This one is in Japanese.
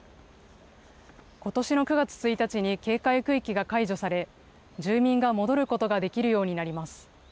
ことしの９月１日に警戒区域が解除され、住民が戻ることができるようになります。